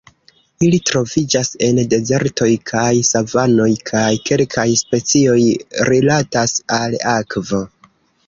Ili troviĝas en dezertoj kaj savanoj kaj kelkaj specioj rilatas al akvo.